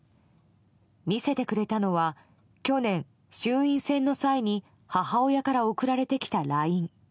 見せてくれたのは去年、衆院選の際に母親から送られてきたＬＩＮＥ。